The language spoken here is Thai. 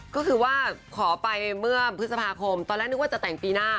ก็คือว่าขอไปเมื่อพฤษภาคมตอนแรกนึกว่าจะแต่งปีหน้า